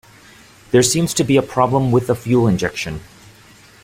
There seems to be a problem with the fuel injection.